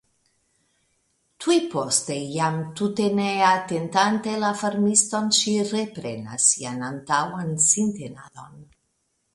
Tuj poste jam tute ne atentante la farmiston, ŝi reprenas sian antaŭan sintenadon.